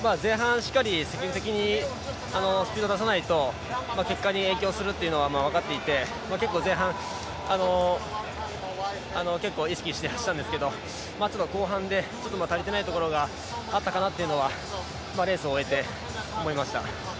しっかりスピードを出さないと、結果に影響するというのは分かっていて、結構前半意識して走ったんですけど後半でちょっと足りてないところがあったかなというのはレースを終えて思いました。